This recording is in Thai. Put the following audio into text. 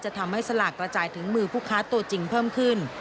ทำให้สลากกระจายถึงมือผู้ค้าตัวจริงเพิ่มขึ้น